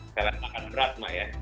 saya lihat makan berat mbak ya